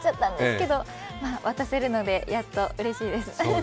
渡せるのでやっと、うれしいです。